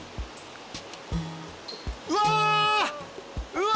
うわ！